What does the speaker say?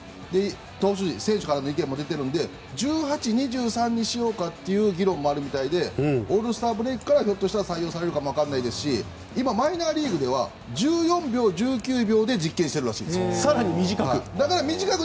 投手陣、選手からの意見も出ているので１８、２３にしようかという議論もあるみたいであるみたいでオールスターブレークから採用されるかもわからないですし今、マイナーリーグでは１４秒、１９秒で更に短く？